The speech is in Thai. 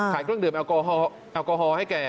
เครื่องดื่มแอลกอฮอล์ให้แก